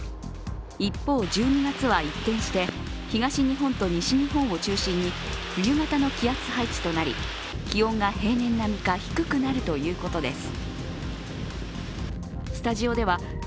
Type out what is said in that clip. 一方、１２月は一転して、冬型の気圧配置となり冬型の気圧配置となり気温が平年並みか低くなるということです。